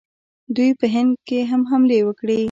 دوی په هند هم حملې وکړې